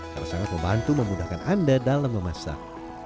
karena sangat membantu memudahkan anda dalam memasak